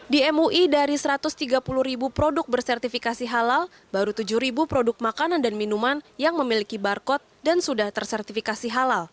di mui dari satu ratus tiga puluh ribu produk bersertifikasi halal baru tujuh produk makanan dan minuman yang memiliki barcode dan sudah tersertifikasi halal